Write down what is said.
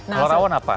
kalau rawon apa